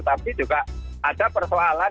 tapi juga ada persoalan